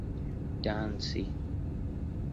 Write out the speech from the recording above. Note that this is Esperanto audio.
danci